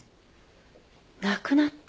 亡くなった？